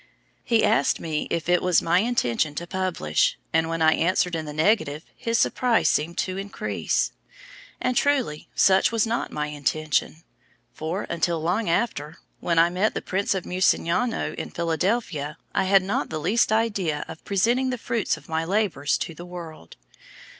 He asked me if it was my intention to publish, and when I answered in the negative, his surprise seemed to increase. And, truly, such was not my intention; for, until long after, when I met the Prince of Musignano in Philadelphia, I had not the least idea of presenting the fruits of my labours to the world.